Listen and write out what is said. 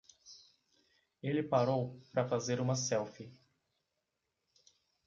Ele parou pra fazer uma selfie.